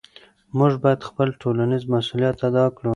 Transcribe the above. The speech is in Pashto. موږ باید خپل ټولنیز مسؤلیت ادا کړو.